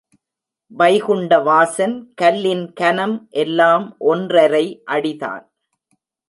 வைகுண்டவாசன் கல்லின் கனம் எல்லாம் ஒன்றரை அடிதான்.